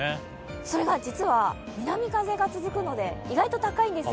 それが実は南風が続くので、意外と高いんですよ。